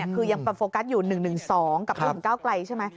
คือยังโฟกัสอยู่๑๑๒กับ๑๙ไกลใช่ไหม